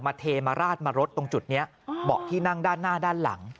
เทมาราดมารถตรงจุดนี้เบาะที่นั่งด้านหน้าด้านหลัง